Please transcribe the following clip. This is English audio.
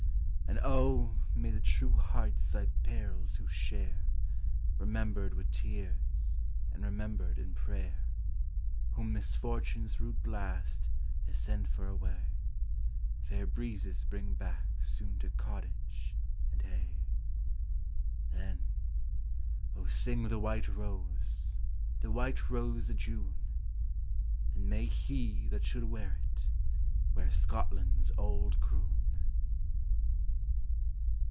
An' oh ! may the true hearts thy perils who share, Remember'd wi' tears, and remember'd in prayer, Whom misfortune's rude blast has sent far awa', Fair breezes bring back sune to cottage and ha' ; ŌĆö Then; O sing the white rose, the white rose o' June, An' may he that should wear it wear Scotland's auld croun